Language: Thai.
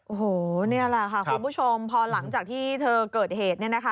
โอ้โหนี่แหละค่ะคุณผู้ชมพอหลังจากที่เธอเกิดเหตุเนี่ยนะคะ